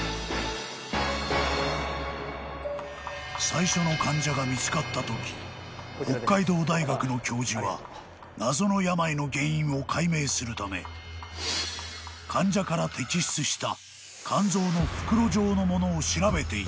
［最初の患者が見つかったとき北海道大学の教授は謎の病の原因を解明するため患者から摘出した］